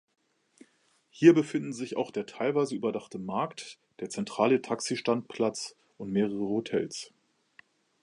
Hier befinden sich auch der teilweise überdachte Markt, der zentrale Taxi-Standplatz und mehrere Hotels.